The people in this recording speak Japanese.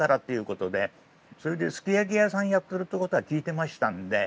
それですき焼き屋さんやってるということは聞いてましたんで。